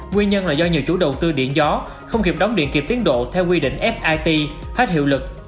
nguyên nhân là do nhiều chủ đầu tư điện gió không kịp đóng điện kịp tiến độ theo quy định sit hết hiệu lực